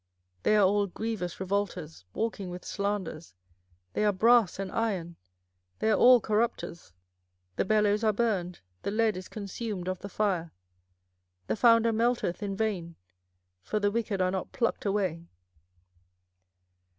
24:006:028 They are all grievous revolters, walking with slanders: they are brass and iron; they are all corrupters. 24:006:029 The bellows are burned, the lead is consumed of the fire; the founder melteth in vain: for the wicked are not plucked away.